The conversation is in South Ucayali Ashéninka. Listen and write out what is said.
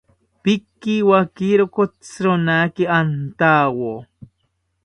Pikiwakiro kotzironaki antawo